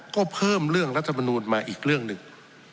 ก็เพิ่มเรื่องรัฐมนูลมาอีกเรื่องหนึ่ง